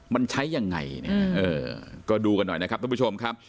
มันใช้ยังไงเอ่อก็ดูกันหน่อยนะครับที่ไปชมครับ